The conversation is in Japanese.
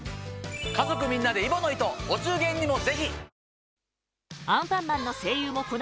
家族みんなで揖保乃糸お中元にもぜひ！